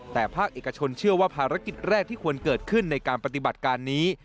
แต่ภาคเอกชนเชื่อว่าภารกิจแรกที่ควรเกิดขึ้นในการปฏิบัติการนี้